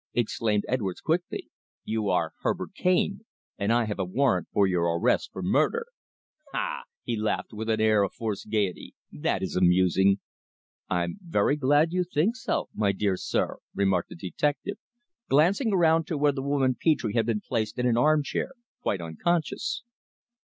exclaimed Edwards quickly. "You are Herbert Cane, and I have a warrant for your arrest for murder." "Ah!" he laughed with an air of forced gaiety. "That is amusing!" "I'm very glad you think so, my dear sir," remarked the detective, glancing round to where the woman Petre had been placed in an armchair quite unconscious.